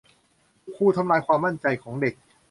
ครูทำลายความมั่นใจของเด็ก